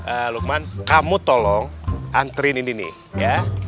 eh lukman kamu tolong antriin ini nih ya